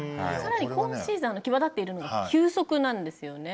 更に今シーズン際立っているのは球速なんですよね。